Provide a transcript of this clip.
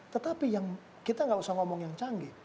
tetapi yang kita nggak usah ngomong yang canggih